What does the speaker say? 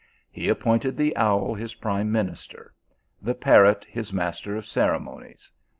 He appointed the owl his prime minister ; the parrot his master of ceremonies.